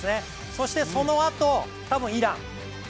そしてそのあと、多分イラン。